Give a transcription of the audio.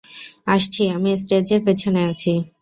আসছি, আমি স্টেজের পেছনে আছি।